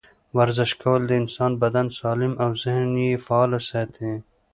ورزش کول د انسان بدن سالم او ذهن یې فعاله ساتي.